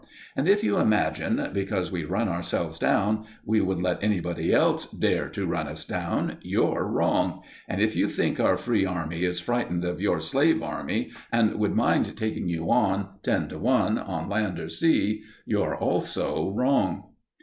And if you imagine, because we run ourselves down, we would let anybody else dare to run us down, you're wrong. And if you think our free army is frightened of your slave army, and would mind taking you on, ten to one, on land or sea, you're also wrong."